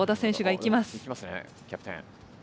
いきますねキャプテン。